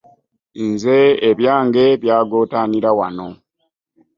Nze ebyange byagootaanira wano.